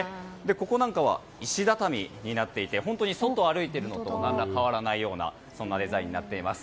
ここは石畳になっていて本当に外を歩いているのと何ら変わらないようなそんなデザインになっています。